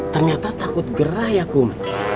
ternyata takut gerah ya kum